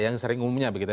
yang sering umumnya begitu